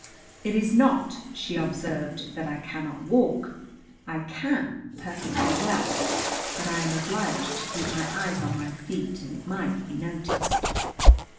"It is not," she observed, "that I cannot walk. I can, perfectly well. But I am obliged to keep my eyes on my feet, and it might be noticed."